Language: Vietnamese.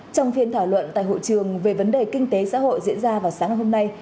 trong phiên thảo luận tại hội trường về vấn đề kinh tế xã hội diễn ra vào sáng ngày hôm nay